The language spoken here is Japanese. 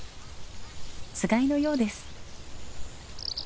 つがいのようです。